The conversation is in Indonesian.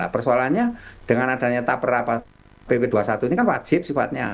persoalannya dengan adanya tak pernah pp dua puluh satu ini kan wajib sifatnya